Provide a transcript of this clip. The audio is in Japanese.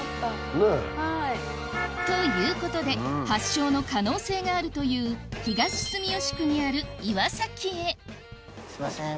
ということで発祥の可能性があるという東住吉区にあるすいません。